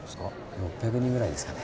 ６００人ぐらいですかね。